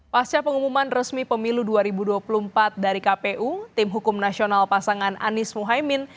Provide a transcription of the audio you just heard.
pasca pengumuman resmi pemilu dua ribu dua puluh empat dari kpu tim hukum nasional pasangan anies muhaymin